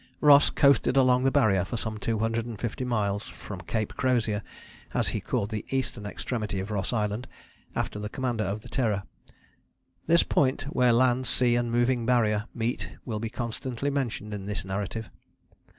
" Ross coasted along the Barrier for some 250 miles from Cape Crozier, as he called the eastern extremity of Ross Island, after the commander of the Terror. This point where land, sea and moving Barrier meet will be constantly mentioned in this narrative.